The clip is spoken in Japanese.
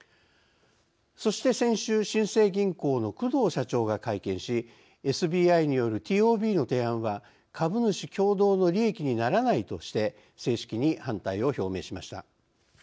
そして先週新生銀行の工藤社長が会見しＳＢＩによるＴＯＢの提案は株主共同の利益にならないとして正式に反対を表明しました。